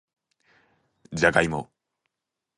じゃがいも